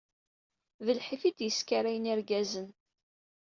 D lḥif i d-yeskarayen irgazen.